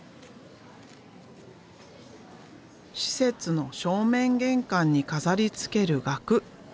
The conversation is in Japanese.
施設の正面玄関に飾りつける額。